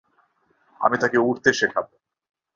আমি তাকে উড়তে শেখাব।